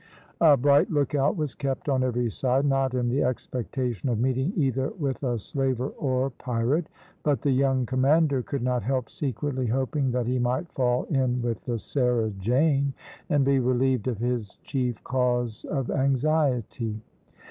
A bright look out was kept on every side, not in the expectation of meeting either with a slaver or pirate; but the young commander could not help secretly hoping that he might fall in with the Sarah Jane, and be relieved of his chief cause of anxiety.